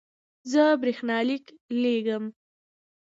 زه برېښنالیک لیږم